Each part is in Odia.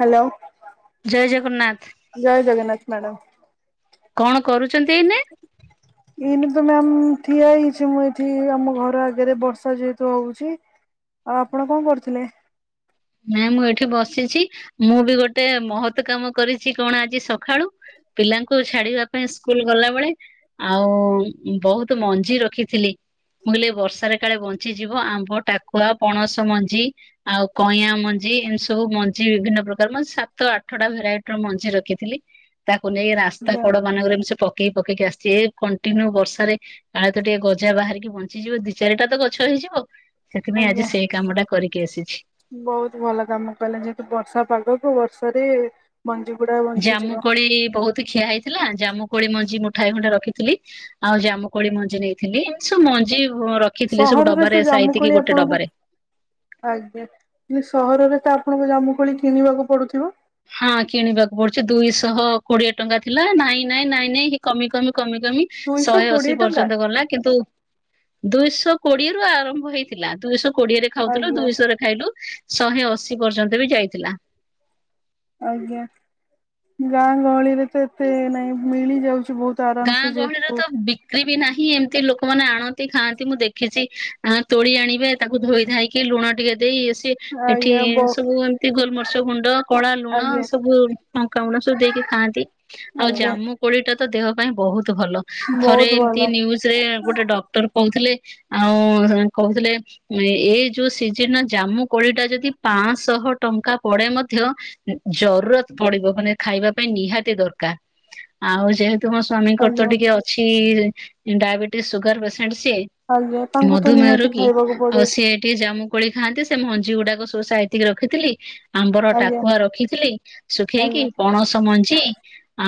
ହାଲୋ। ଜୟ ଜଗନ୍ନାଥ ଜୟ ଜଗନ୍ନାଥ ମ୍ୟାଡ଼ାମ। କଣ କରୁଛନ୍ତି ଏଇନେ? ଏଇନେ ତ ମ୍ୟାମ୍ ଠିଆ ହେଇଚି ମୁଁ ଏଠି ଆମ ଘର ଆଗରେ ବର୍ଷା ଯେହେତୁ ହଉଚି। ଆଉ ଆପଣ କଣ କରୁଥିଲେ? ନାଇଁ ମୁଁ ଏଠି ବସିଛି। ମୁଁ ବି ଗୋଟେ ମହତ କାମ କରିଚି କଣ ଆଜି ସଖାଳୁ। ପିଲାଙ୍କୁ ଛାଡିବା ପାଇଁ ସ୍କୁଲ ଗଲାବେଳେ ଆଉ ବହୁତ୍ ମଞ୍ଜି ରଖିଥିଲି। ମୁଁ କହିଲି ଏଇ ବର୍ଷାରେ କାଳେ ବଞ୍ଚିଯିବ। ଆମ୍ବ ଟାକୁଆ ପଣସ ମଞ୍ଜି ଆଉ କଇଁଆ ମଞ୍ଜି ଏମତି ସବୁ ମଞ୍ଜି ବିଭିନ୍ନ ପ୍ରକାର ମୁଁ ସାତ ଆଠଟା ଭେରାଇଟିର ମଞ୍ଜି ରଖିଥିଲି। ତାକୁ ନେଇ ରାସ୍ତା କଡ ମାନଙ୍କରେ ମୁଁ ସେ ପକେଇ ପକେଇ ଆସିଚି। ଏ କଣ୍ଟିନ୍ୟୁ ବର୍ଷାରେ କାଳେ ତ ଟିକେ ଗଜା ବାହାରିକି ବଞ୍ଚିଯିବ, ଦି ଚାରିଟା ତ ଗଛ ହେଇଯିବ। ସେଥିପାଇଁ ଆଜ୍ଞା ଆଜି ସେ କାମ ଟା କରିକି ଆସିଛି। ବହୁତ ଭଲ କାମ କଲେ। ଯେହେତୁ ବର୍ଷା ପାଗକୁ ବର୍ଷାରେ ମଞ୍ଜି ଗୁଡା ବଞ୍ଚିଯିବ ଜାମୁକୋଳି ବହୁତ ଖିଆ ହେଇଥିଲା। ଜାମୁ କୋଳି ମଞ୍ଜି ମୁଠାଏ ଖଣ୍ଡେ ରଖିଥିଲି। ଆଉ ଜାମୁ କୋଳି ମଞ୍ଜି ନେଇଥିଲି। ଏମିତି ସବୁ ମଞ୍ଜି ର ସହରରେ ତ ଜାମୁକୋଳି ଆପଣଙ୍କୁ ଆଜ୍ଞା। ସହରରେ ତ ଆପଣଙ୍କୁ ଜାମୁକୋଳି କିଣିବାକୁ ପଡୁଥିବ? ହଁ କିଣିବାକୁ ପଡୁଛି ଦୁଇଶହ କୋଡିଏ ଟଙ୍କା ଥିଲା ନାଇଁ ନାଇଁ ନାଇଁ ନାଇଁ ହେଇ କମି କମି କମି କମି ଦୁଇଶହ ଶହେ ଅଶୀ କୋଡିଏ ଟଙ୍କା। ପର୍ଯ୍ୟନ୍ତ ଗଲା କିନ୍ତୁ ଦୁଇଶହ କୋଡିଏରୁ ଆରମ୍ଭ ହେଇଥିଲା ଦୁଇଶହ କୋଡିଏରେ ଖାଉଥିଲୁ ଆଜ୍ଞା ଦୁଇଶହରେ ଖାଇଲୁ ଶହେ ଅଶୀ ପର୍ଯ୍ୟନ୍ତ ବି ଯାଇଥିଲା। ଆଜ୍ଞା ଗାଁ ଗହଳିରେ ତ ଏତେ ନାଇଁ ମିଳି ଯାଉଛି ବହୁତ ଆରାମ ଗାଁ ସେ ଗହଳିରେ ଯେହେତୁ ତ ବି କ୍ରି ବି ନାହିଁ ଏମିତି ଲୋକମାନେ ଆଣନ୍ତି ଖାଆନ୍ତି ମୁଁ ଦେଖିଛି ଆ ତୋଳି ଆଣିବେ ତାକୁ ଧୋଇଧାଇକି ଲୁଣ ଟିକେ ଦେଇ ଇଏ ସିଏ ଏଠି ଆଜ୍ଞା ବ ସବୁ ଏମତି ଗୋଲମରିଚ୍ ଗୁଣ୍ଡ କଳା ଲୁଣ ଆଜ୍ଞା ସବୁ କଉଣ ସବୁ ଦେଇକି ଖାଆନ୍ତି ଆଉ ଆଜ୍ଞା। ଜାମୁ କୋଳିଟା ତ ଦେହ ପାଇଁ ବହୁତ ଭଲ ଥରେ ବହୁତ ଭଲ ଏମତି ନ୍ୟୁଜରେ ଗୋଟେ ଡକ୍ଟର କହୁଥିଲେ ଆଉ କହୁଥିଲେ ଏ ଏଇ ଯୋଉ ସିଜନରେ ଜାମୁ କୋଳିଟା ଯଦି ପାଞ୍ଚଶହ ଟଙ୍କା ପଡେ ମଧ୍ୟ ଜରୁୁରତ ପଡିବ ମାନେ ଖାଇବା ପାଇଁ ନିହାତି ଦରକାର ଆଉ ଯେହେତ ତୁମ ସ୍ଵାମୀଙ୍କର ତ ଆଜ୍ଞା ଟିକେ ଅଛି ଡାଇବେଟିସ୍ ସୁଗାର ପେସେଣ୍ଟ ସିଏ ଆଜ୍ଞା ତାଙ୍କୁ ତ ମଧୁମେହ ନିହାତି ରୋଗୀ ଖାଇବାକୁ ଆଉ ପଡିବ ସିଏ ଟିକେ ଜାମୁ କୋଳି ଖାଆନ୍ତି ସେ ମଞ୍ଜି ଗୁଡାକ ସବୁ ସାଇତିକି ରଖିଥିଲି ଆମ୍ବର ଆଜ୍ଞା ଟାକୁଆ ରଖିଥିଲି ଶୁଖେଇକି ଆଜ୍ଞା ପଣସ ମଞ୍ଜ ଞ୍ଜି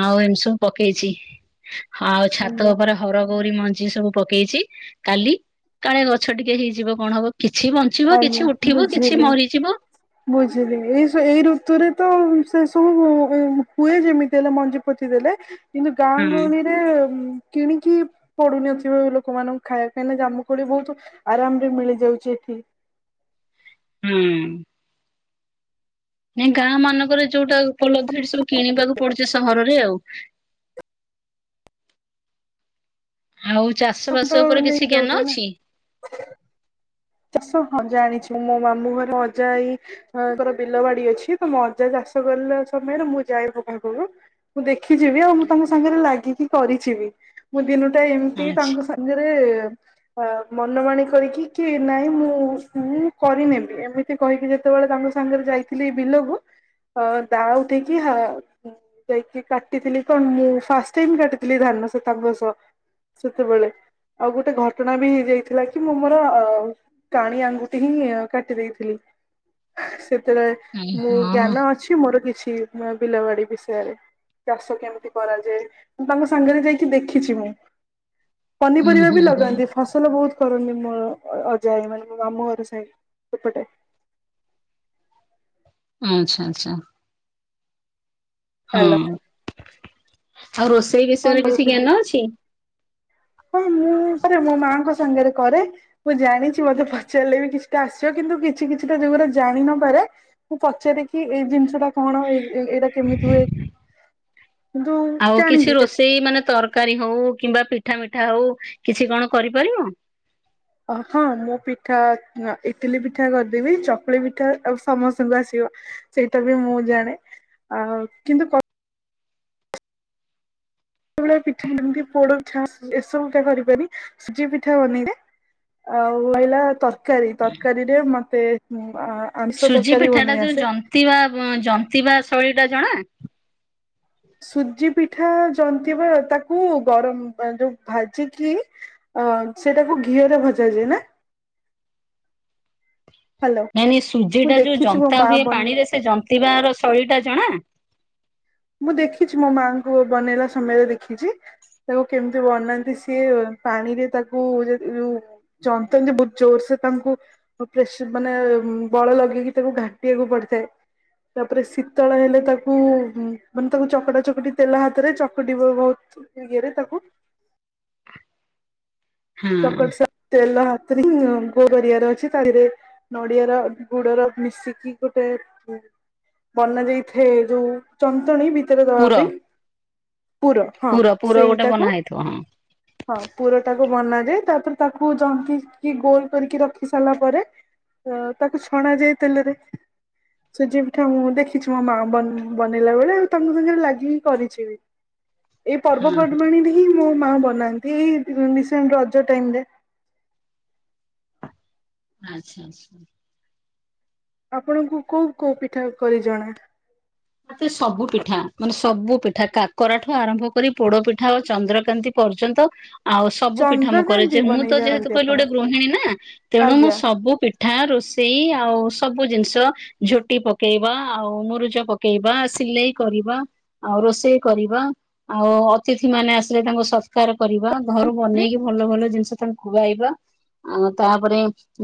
ଆଉ ଏମିତି ସବୁ ପକେଇଛି ଆଉ ଛାତ ଆଜ୍ଞା ଉପରେ ହରଗଉରୀ ମଞ୍ଜି ସବୁ ପକେଇଛି କାଲି କାଳେ ଗଛ ଟିକେ ହେଇଯିବ କଣ ହବ? କିଛି ବଞ୍ଚିବ ଆଜ୍ଞା କିଛି ଉଠିବ କିଛି ବୁଝିଲି ମରିଯିବ। ବୁଝିଲି ଏଇ ସ ଏଇ ଋତୁରେ ତ ସେ ସବୁ ହୁ ହୁଏ ଯେମିତି ହେଲେ ମଞ୍ଜି ପୋତିଦେଲେ କିନ୍ତୁ ହଁ ଗାଁ ଗହଳିରେ କିଣିକି ପଡୁନଥିବ ଲୋକମାନଙ୍କୁ ଖାଇବା ପାଇଁ କାଇଁକି ନା ଜାମୁକୋଳି ବହୁତ ଆରାମରେ ମିଳି ଯାଉଛି ଏଠି। ହୁଁ। ନାଇଁ ଗାଁ ମାନଙ୍କରେ ଯୋଉଟା ଉପଲବ୍ଧି ସେଠି ସବୁ କିଣିବାକୁ ପଡୁଛି ସହରରେ ଆଉ। ଆଉ ଚାଷ ବାସ ତ ଉପରେ ନେଇକି କିଛି ଜ୍ଞାନ ଦଉଥିବେ ନା ଅଛି? ଚାଷ ହଁ ଜାଣିଛି ମୋ ମାମୁଁ ଘରେ ଅଜା ଆଇ ହଁ ଆଙ୍କର ବିଲ ବାଡି ଅଛି ତ ମୋ ଅଜା ଚାଷ କରିଲା ସମୟରେ ମୁଁ ଯାଏ ତାଙ୍କ ପାଖକୁ। ମୁଁ ଦେଖିଚି ବି ଆଉ ମୁଁ ତାଙ୍କ ସାଙ୍ଗରେ ଲାଗିକି କରିଚି ବି। ମୁଁ ଦିନୁଟା ଏମିତି ତାଙ୍କ ଆଛା ସାଙ୍ଗରେ ଅ ମନ ମନ ମାଣି କରିକି କି ନାଇଁ ମୁଁ ମୁଁ କରିନେବି ଏମିତି କହିକି ଯେତେବେଳେ ତାଙ୍କ ସାଙ୍ଗରେ ଯାଇଥିଲି ବିଲକୁ ହ ଦାଆ ଉଠେଇକି ହା ଯାଇକି କାଟିଥିଲି କଣ ମୁଁ ଫାଷ୍ଟ ଟାଇମ କାଟିଥିଲି ଧାନ ସେ ତାଙ୍କ ସହ। ସେତେବେଳେ ଆଉ ଗୋଟେ ଘଟଣା ବି ହେଇଯାଇଥିଲା କି ମୁଁ ମୋର ଅ କାଣି ଆଙ୍ଗୁଠି ହିଁ କାଟି ଦେଇଥିଲି ସେତେବେଳେ ମୁଁ ହଁ ଜ୍ଞାନ ଅଛି ମୋର କିଛି ବିଲବାଡି ବିଷୟରେ। ଚାଷ କେମିତି କରାଯାଏ ମୁଁ ତାଙ୍କ ସାଙ୍ଗରେ ଯାଇକି ଦେଖିଛି ମୁଁ। ହୁଁ ପନିପରିବା ବି ହୁଁ ହୁଁ ଲଗାନ୍ତି ଫସଲ ବହୁତ କରନ୍ତି ମୋ ଅ ଯାଇ ମାନେ ମୋ ମାମୁଁ ଘର ସାଇ ଏପଟେ। ଆଚ୍ଛା ଆଚ୍ଛା। ହୁଁ ହ୍ୟାଲୋ ଆଉ ରୋଷେଇ କଣ ବିଷୟରେ କିଛି କରୁଥିଲେ? ଜ୍ଞାନ ଅଛି? ହଁ ମୁଁ ପରେ ମୋ ମାଙ୍କ ସାଙ୍ଗରେ କରେ। ମୁଁ ଜାଣିଛି ମତେ ପଚାରିଲେ ବି କିଛିଟା ଆସିବ କିନ୍ତୁ କିଛି କିଛିଟା ଯଉ ଗୋରା ଜାଣିିନପାରେ। ମୁଁ ପଚାରେ କି ଏଇ ଜିନିଷ ଟା କଣ ଏ ଏଇଟା କେମିତି ହୁଏ। କିନ୍ତୁ ଆଉ କିଛି ଜାଣିଛି ରୋଷେଇ ମାନେ ତରକାରୀ ହଉ କିମ୍ବା ପିଠା ମିଠା ହଉ କିଛି କଣ କରିପାରିବ? ହଁ ମୁଁ ପିଠା ଇଟିଲି ପିଠା କରିଦେବି ଚକୁଳି ପିଠା ଆଉ ସମସ୍ତଙ୍କୁ ଆସିବ। ସେଇଟା ବି ମୁଁ ଜାଣେ ଆଉ କିନ୍ତୁ କ ତେବେଳେ ପିଠା ବନାନ୍ତି ପୋଡ ପିଠା ଏସବୁ କେ [unintelligible] ସୁଜି ପିଠା ବନେଇଲେ ଆଉ [unintelligible] ତରକାରୀ ତରକାରୀରେ ମତେ ଉଁ ଆଁ ଆମିଷ ତରକାରି ବନେଇ ଆସେ। ନ୍ତିବା ବା ଜନ୍ତିବା ଶୈଳୀ ଟା ଜଣା। ସୁଜି ପିଠା ଜନ୍ତିବା ତାକୁ ଗରମ ବା ଯୋଉ ଭାଜିକି। ଅ ସେଟାକୁ ଘିଅରେ ଭଜାଯାଏ ନା। ହ୍ୟାଲୋ ନାଇଁ ନାଇଁ ସୁଜି ମୁଁ ଟା ଯୋଉ ଦେଖିଛି ମୋ ଜନ୍ତା ମା ହୁଏ ବନେଇ ପାଣିରେ ସେ ଜନ୍ତିବାର ଶୈଳୀ ଟା ଜଣା। ମୁଁ ଦେଖିଚି ମୋ ମାଆଙ୍କୁ ବନେଇଲା ସମୟରେ ଦେଖିଚି। ତାକୁ କେମିତି ବନାନ୍ତି, ସିଏ ପାଣିରେ ତାକୁ ଯେ ଯୋଉ ଜନ୍ତତି ବହୁତ ଜୋର ସେ ତାଙ୍କୁ। ଅ ପ୍ରେସ ମାନେ ବଳ ଲଗେଇକି ତାକୁ ଘାଣ୍ଟିବାକୁ ପଡିଥାଏ। ତାପରେ ଶୀତଳ ହେଲେ ତାକୁ ମାନେ ତାକୁ ଚକଟା ଚକଟି ତେଲ ହାତରେ ଚକଟି ବ ବହୁତ ଇଏରେ ତାକୁ। ହଁ ଚକଟି ସା ତେଲ ହାତରେ ହିଁ ଗୋଲ କରିବାର ଅଛି ତା ଇ ଇଏରେ। ନଡିଆ ର ଗୁଡର ମିଶିକି ଗୋଟେ। ବନା ଯାଇଥାଏ ଯୋଉ ଚନ୍ତଣୀ ଭିତରେ ପୁର ଦଲନ୍ତି। ପୁର ପୁର ଗୋଟେ ବନା ହେଇଥିବ ହଁ। ହଁ ପୁରଟାକୁ ବନାଯାଏ, ତାପରେ ତାକୁ ଜନ୍ତିିକି ଗୋଲ କରିକି ରଖି ସାରିଲା ପରେ। ତ ତାକୁ ଛଣା ଯାଏ ତେଲରେ। ସୁଜି ପିଠା ମୁଁ ଦେଖିଛି ମୋ ମା ବନ୍ ବନେଇଲା ବେଳେ ଆଉ ତାଙ୍କ ସାଙ୍ଗରେ ଲାଗିକି କରିଛି ବି। ଏଇ ହଁ ପର୍ବପର୍ବାଣୀରେ ହିଁ ମୋ ମା ବନାନ୍ତି, ଏଇ ରିସେଣ୍ଟ ରଜ ଟାଇମ୍ ରେ। ଆଚ୍ଛା ଆଚ୍ଛା। ଆପଣଙ୍କୁ କୋଉ କୋଉ ପିଠା କରି ଜଣା। ମତେ ସବୁ ପିଠା ମାନେ ସବୁ ପିଠା କାକରାଠୁ ଆରମ୍ଭ କରି ପୋଡ ପିଠା ଆଅ ଚନ୍ଦ୍ରକାନ୍ତି। ପଯ୍ୟନ୍ତ। ଆଉ ସବୁ ପିଠା ମୁଁ କରେ ଯେ ଚନ୍ଦ୍ରକାନ୍ତି ମୁଁ ବନେଇ ତ ଯେହେତୁ ଜାଣନ୍ତି କହିଲି ଆପଣ? ଗୋଟେ ଗୃହିଣୀ ନା ତେଣୁ ମୁଁ ଆଜ୍ଞା ସବୁ ପି ଠା ରୋଷେଇ ଆଉ ସବୁ ଜିନିଷ ଝୋଟି ପକେଇବା ଆଉ ମୂରୁଜ ପ ପକେଇବା ସିଲେଇ କରିବା ଆଉ ରୋଷେଇ କରିବା। ଆଉ ଅତିଥି ମାନେ ଆସିଲେ ତାଙ୍କୁ ସତ୍କାର କରିବା ଘରୁ ବନେଇକି ଭଲ ଭଲ ଜିନିଷ ତାଙ୍କୁ ଖୁଆଇବା। ଆଉ ତାପରେ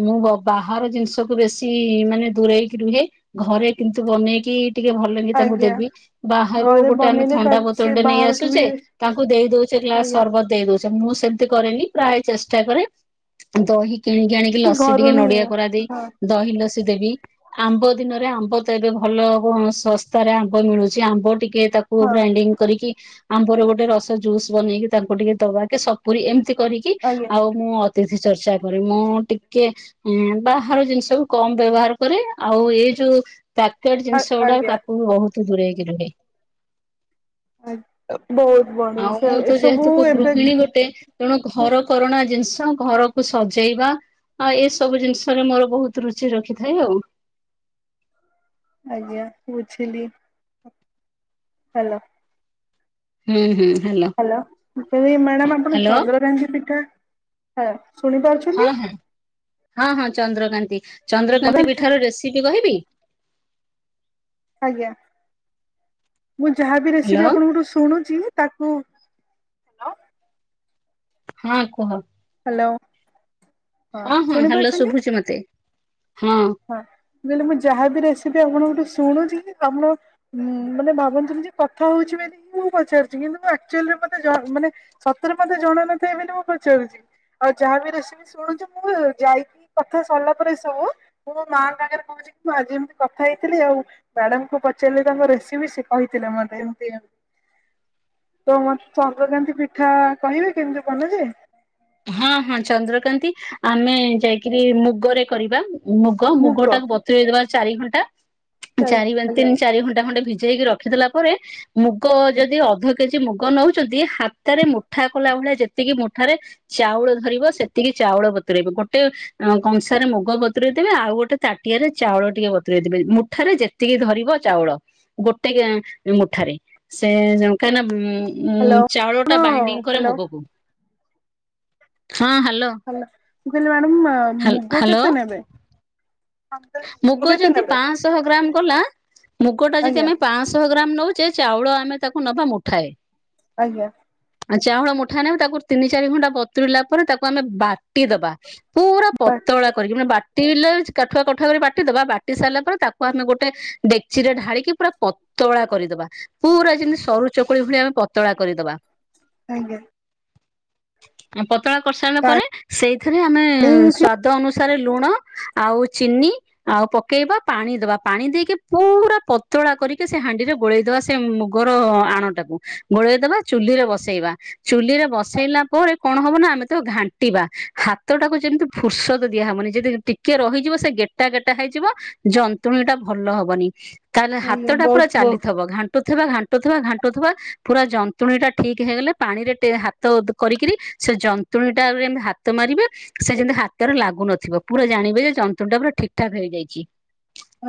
ମୁଁ ବ ବାହାର ଜିନିଷକୁ ବେଶୀ ମାନେ ଦୂରେଇକି ରୁହେ। ଘରେ କିନ୍ତୁ ବନେଇକି ଟିକିଏ ଭଲକି ତାଙ୍କୁ ଆଜ୍ଞା ଦେବି। ବାହାରୁ ଘରେ ଗୋଟେ ଆମେ ବନେଇଲେ ତା ଥଣ୍ଡା ବୋତଲ ସେ ଟେ ନେଇ ବାହାରଠୁ ବି ଆସୁଚେ ତାଙ୍କୁ ଦେଇ ଦଉଚେ ଗ୍ଲାସ ଆଜ୍ଞା ସରବତ ଦେଇ ଦଉ ଚ ମୁଁ ସେମିତି କରେନି ପ୍ରାୟ ଚେଷ୍ଟା କରେ ଦହି କିଣିକି ଆଣି କି ଲସି ଟିକେ ନଡିଆ କୋରା ଦେଇ। ହଁ ଦହି ଲସି ଦେବି ଆମ୍ବ ଦିନରେ ଆମ୍ବ ତ ଏବେ ଭଲ ହଉ ଉଁ ଶସ୍ତାରେ ଆମ୍ବ ମିଳୁଛି ଆମ୍ବ ଟିକେ ତାକୁ ହଁ ଗ୍ରାଇଣ୍ଡିଙ୍ଗ କରିକି। ଆମ୍ବର ଗୋଟେ ରସ ଜୁସ୍ ବନେଇକି ତାଙ୍କୁ ଟିକେ ଦବା କି ସପୁରି ଏମିତି କରିକି ଆଜ୍ଞା ଆଉ ମୁଁ ଅତିଥି ଚର୍ଚ୍ଚା କରେ ମୁଁ ଟିକେ ଏଁ ବାହାର ଜିନିଷ କୁ କମ ବ୍ୟବହାର କରେ ଆଉ ଏ ଯୋଉ ପ୍ୟକେଡ ଆ ଜିନିଷ ଗୁଡା ଆଜ୍ଞା। ତାକୁ ବି ବହୁତ ଦୂରେଇକି ରୁହେ। ଆ ବହୁତ ବଢିଆ ଆଉ ସେ ମୁଁ ତ ଏସବୁ ଯେହେତୁ କୁ ଏବେ ଗୃହିଣୀ ଗୋଟେ। ତେଣୁ ଘର କରଣା ଜିନିଷ ଘରକୁ ସଜେଇବା। ହଁ ଏସବୁ ଜିନିଷରେ ମୋର ବହୁତ ରୁଚି ରଖିଥାଏ ଆଉ। ଆଜ୍ଞା ବୁଝିଲି। ହ୍ୟାଲୋ। ହୁଁ ହୁଁ ହାଲୋ। ହ୍ୟାଲୋ ମୁଁ କହିଲି, ମ୍ୟାଡ଼ାମ ଆପଣ ଚନ୍ଦ୍ର କାନ୍ତି ପିଠା ହ ହଁ ଶୁଣିପାରୁଛନ୍ତି। ହଁ ହଁ ହଁ ଚନ୍ଦ୍ରକାନ୍ତି, ଚନ୍ଦ୍ରକାନ୍ତି ପିଠା ର ରେସିପି କହିବି। ଆଜ୍ଞା ମୁଁ ଯାହାବି ହ୍ୟାଲୋ ରେସିପି ଆପଣଙ୍କଠୁ ଶୁଣୁଛି ତାକୁ ହଁ କୁହ। ହ୍ୟାଲୋ। ହଁ ହଁ ହ୍ୟାଲୋ ଶୁଭୁଛି ମତେ ହଁ। ହଁ ମୁଁ କହିଲି ଯାହାବି ରେସିପି ଆପଣଙ୍କଠୁ ଶୁଣୁଛି କି ଆପଣ ହୁଁ ମାନେ ଭାବନ୍ତୁନି ଯେ କଥା ହଉଛି ବୋଲି ମୁଁ ପଚାରୁଛି କିନ୍ତୁ ମୁଁ ଆକଚୁଆଲିରେ ମତେ ଜ ମାନେ ସତରେ ମତେ ଜଣ ନଥାଏ ବୋଲି ମୁଁ ପଚାରୁଛି। ଆଉ ଯାହାବି ରେସିପି ଶୁଣୁଛୁ ମୁଁ ଯାଇକି କଥା ସରିଲା ପରେ ଏସବୁ ମୁଁ ମୋ ମାଆ ସାଙ୍ଗରେ କହୁଛି କି ମୁଁ ଆଜି ଏମିତି କଥା ହେଇଥିଲି ଆଉ ମ୍ୟାଡମଙ୍କୁ ପଚାରିଲି ତାଙ୍କୁ ରେସିପି ସେ କହିଥିଲେ ମତେ ଏମିତି ଆଉ ତ ମତେ ଚନ୍ଦ୍ରକାନ୍ତି ପିଠା କହିବେ କେମିତି ବାନା ଯାଏ। ହଁ ହଁ ଚନ୍ଦ୍ରକାନ୍ତି ଆମେ ଯାଇକିରି ମୁଗରେ କରିବା ମୁଗ ମୁଗ ଟାକୁ ବ ତୁରି ଦେବା ଚାରି ଘଣ୍ଟା ଚାରି ତିନି ଚାରି ଘଣ୍ଟା ଖଣ୍ଡେ ଭିଜେଇକି ରଖିଦେଲା ପରେ ମୁଗ ଯଦି ଅଧ କେଜି ମୁଗ ନଉଛନ୍ତି ହାତରେ ମୁଠା କଲା ଭଳିଆ ଯେତିକି ମୁଠାରେ ଚାଉଳ ଧରିବ ସେତିକି ଚାଉଳ ବତୁରେଇବ ଗୋଟେ ଆଁ କଂସାରେ ମୁଗ ବତୁରେଇ ଦେବେ ଆଉ ଗୋଟେ ତାଟିଆରେ ଚାଉଳ ଟିକେ ବତୁରେଇ ଦେବେ ମୁଠାରେ ଯେ ଯେତିକି ଧରିବ ଚାଉଳ ଗୋଟେ କେ ମୁଠାରେ ସେ କାହିଁକି ନା ଉଁ ହ୍ୟାଲୋ ଚାଉଳ ଆପଣ ଟା ବାଇଣ୍ଡିଙ୍ଗ କରେ ହ୍ୟାଲୋ ମୁଗକୁ। ହଁ ହାଲୋ। ହାଲ ମୁଁ କହିଲି ମ୍ୟାଡାମ ମୁଗ କେତେ ନେବେ? ମୁଗ କେତେ ଯଦି ନେବେ? ପାଂଶ ଶହ ଗ୍ରାମ ଗଲା ମୁଗ ଟା ଯଦି ଆଜ୍ଞା ଆମେ ପାଂଶଶହ ଗ୍ରାମ ନଉ ଚେ ଚାଉଳ ଆମେ ତାକୁ ନବା ମୁଠାଏ। ଆଜ୍ଞା। ଆଉ ଚାଉଳ ମୁଠାଏ ନେବେ ତାକୁ ତିନି ଚାରି ଘଣ୍ଟା ବତୁୁରିଲା ପରେ ତାକୁ ଆମେ ବାଟିଦବା। ପୁରା ପତଳା କରିକି ମାନେ ବାଟିଲେ କାଠୁଆ କ ଠରେ ବାଟିଦବା ବାଟି ସାରିଲା ପରେ ତାକୁ ଆମେ ଗୋଟେ ଡେକିଚିରେ ଢାଳିକି ପୁରା ପତଳା କରିଦବା। ପୁରା ଯେମିତି ସରୁ ଚକୁଳି ଭଳିଆ ଆମେ ପତଳା କରିଦବା। ଆଜ୍ଞା। ପତଳା କରିସାରିଲା ପରେ ପାଣି ସେଇଥିରେ ଆମେ ଆଜ୍ଞା ସ୍ଵାଦ ଅନୁସାରେ ଲୁଣ ଆଉ ଚିିନି ଆଉ ପକେଇବା ପାଣି ଦବା ପାଣି ଦେଇକି ପୁରା ପତଳା କରିକି ସେ ହାଣ୍ଡିରେ ଗୋଳେଇ ଦବା ସେ ସେ ମୁଗର ଆଣଟାକୁ ଗୋଳେଇଦବା ଚୁଲିରେ ବସେଇବା। ଚୁଲିରେ ବସେଇଲା ପରେ କଣ ହବ ନା ଆମେ ତାକୁ ଘାଣ୍ଟିବା ହାତଟାକୁ ଯେମିତି ଫୁର୍ସତ ଦିଆହବନି ଯଦି ଟିକେ ରହିଯିବ ସେ ଗେଟା ଗେଟା ହେଇଯିବ ଜନ୍ତୁଣୀ ଟା ଭଲ ହବନି। ତାହେଲେ ହାତଟା ପୁରା ବହୁତ ବହୁତ ଚାଲିଥିବ ଘା ଘଟୁଥିବା ଘାଣ୍ଟୁଥିବା ଘାଣ୍ଟୁଥିବା ପୁରା ଯନ୍ତୁଣୀ ଟା ଠିକ ହେଇଗଲେ ପାଣିରେ ଟେ ହା ତ ଉଦ୍ କରିକିରି ସେ ଯନ୍ତୁଣୀଟାରେ ଏମିତି ହାତ ମାରିବେ ସେ ଯେମତି ହାତରେ ଲାଗୁନଥିବ ପୁରା ଜାଣିବେ ଯେ ଯନ୍ତ୍ରୁଣିଟା ପୁରା ଠିକ୍ ଠାକ ରେ ହେଇଯାଇଚି।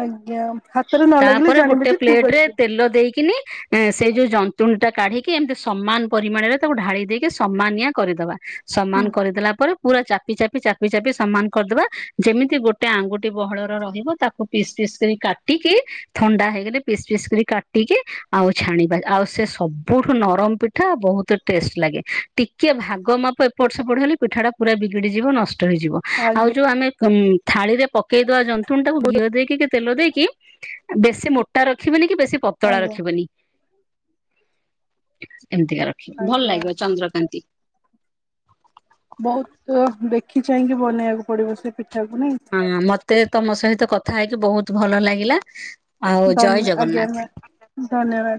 ଆଜ୍ଞା ହାତରେ ନ ଲାଗିଲେ ତାପରେ ଜାଣିବେ ଗୋଟେ ଯେ ଠିକ ପ୍ଲେଟରେ ଅଛି। ତେଲ ଦେଇକିନି ଏଁ ସେଇ ଯୋଉ ଜନ୍ତୁଣିଟା କାଢିକି ଏମିତି ସମାନ ପରିମାଣରେ ତାକୁ ଢାଳି ଦେଇକି ସମାନିଆ କରିଦବା। ସମାନ ହୁଁ କରିଦେଲା ପରେ ପୁରା ଚାପି ଚାପି ଚାପି ଚାପି ସମାନ କରିଦବା ଯେମିତି ଗୋଟେ ଟେ ଆଙ୍ଗୁଠି ବହଳର ରହିବ ତାକୁ ପିସ୍ ପିସ୍ କରି କାଟିକି ଥଣ୍ଡା ହେଇଗଲେ ପିସ୍ ପିସ୍ କରି କାଟିକି ଆଉ ଛାଣିବା ଆଉ ସେ ସବୁଠୁ ନରମ ପିଠ ଠା ବହୁତ ଟେଷ୍ଟ ଲାଗେ ଟି କିଏ ଭାଗ ମାପ ଏପଟ ସେପଟ ହେଲେ ପିଠା ଟା ପୁରା ବିଗିଡିଯିବ ନଷ୍ଟ ହେଇଯିବ ଆଉ ଆଜ୍ଞା ଯୋଉ ଆମେ କଉଁ ଥାଳିରେ ପକେଇଦବା ଜନ୍ତୁଣିଟାକୁ ଘିଅ ଦେଇକି କି ତେଲ ଦେଇକି ଆ ବେଶୀ ମୋଟା ରଖିବେନି କି ବେଶୀ ପତଳା ଆଜ୍ଞା ରଖିବନି ଏମିତିକା ର। ଭଲ ଆଜ୍ଞା ଲାଗିବ ଚନ୍ଦ୍ରକାନ୍ତି। ବହୁତ ଦେଖି ଚାହିଁକି ବନେଇବାକୁ ପଡିବ ସେ ପିଠାକୁ ନାଇଁ। ହୁଁ ମତେ ତମ ସହିତ କଥା ହେଇକି ବହୁତ ଭଲ ଲାଗିଲା ଆଉ ଜୟ ଧନ୍ୟ ଆଜ୍ଞା ମ୍ୟା ଜଗନ୍ନାଥ। ଧନ୍ୟବାଦ।